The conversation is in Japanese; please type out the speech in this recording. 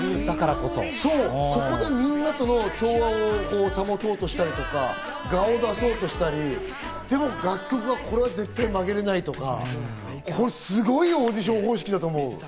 そこでみんなとの調和を保とうとしたりとか、我を出そうとしたりとか、でも楽曲がこれは絶対曲げられないとか、すごいオーディション方式だと思う。